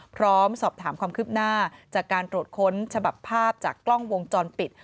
พร้อมสอบถามความคืบหน้าจากการตรวจค้นฉบับภาพจากกล้องวงจรปิด